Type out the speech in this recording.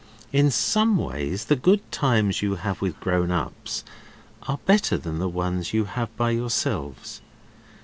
In some ways the good times you have with grown ups are better than the ones you have by yourselves.